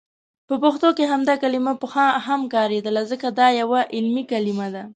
په پښتو کې همدا کلمه پخوا هم کاریدلي، ځکه دا یو علمي کلمه ده.